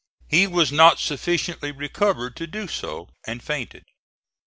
He was not sufficiently recovered to do so, and fainted.